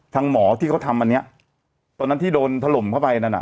หมอที่เขาทำอันเนี้ยตอนนั้นที่โดนถล่มเข้าไปนั่นอ่ะ